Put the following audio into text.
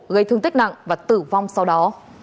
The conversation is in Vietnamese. gây thương tích nặng và tử vong sau đó